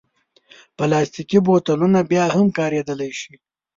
پلاستيکي بوتلونه بیا هم کارېدلی شي.